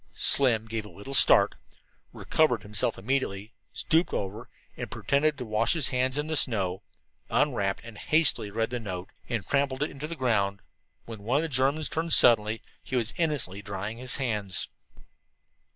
Slim gave a little start, recovered himself immediately, stooped over, and, pretending to wash his hands in the snow, unwrapped and hastily read the note, and then trampled it into the ground. When one of the Germans turned suddenly, he was innocently drying his hands.